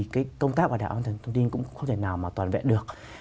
các bảo đả an toàn thông tin cũng không thể nào mà toàn vẹn được